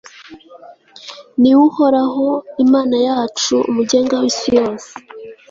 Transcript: ni we uhoraho, imana yacu, umugenga w'isi yose